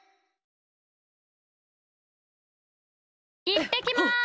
いってきます！